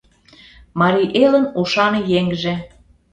Марий элын ушан еҥже!